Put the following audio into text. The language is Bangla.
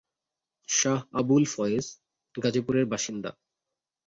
শাহ আবুল ফয়েজ গাজীপুরের বাসিন্দা।